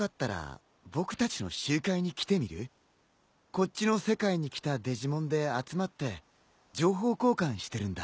こっちの世界に来たデジモンで集まって情報交換してるんだ。